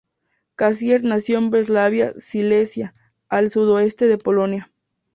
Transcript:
Cassirer nació en Breslavia, Silesia, al sudoeste de Polonia.